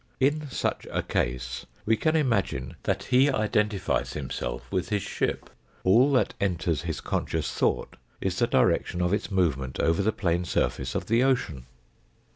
In such a case we can imagine that he identifies himself with his ship ; all that enters his conscious thought is the direction of its movement over the plane surface of the ocean.